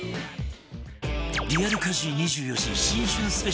リアル家事２４時新春スペシャル